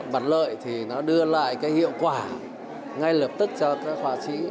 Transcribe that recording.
mặt lợi thì nó đưa lại cái hiệu quả ngay lập tức cho các họa sĩ